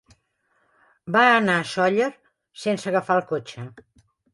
Va anar a Sóller sense agafar el cotxe.